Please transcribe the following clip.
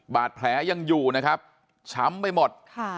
บาดแผลยังอยู่นะครับช้ำไปหมด